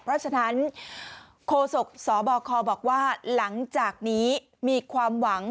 เพราะฉะนั้นโคศกสบคบอกว่าหลังจากนี้มีความหวัง